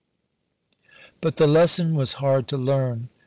But the lesson was hard to learn.